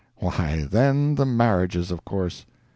why, then the marriages, of course.